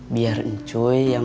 biar itu yang